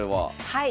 はい。